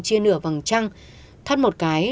chia nửa bằng trăng thắt một cái